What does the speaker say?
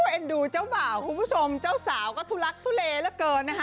ดูแอลไทน์ดูเจ้าบ่าวผู้ชมเจ้าสาวก็ทุเรคทุเลแล้วเกินนะ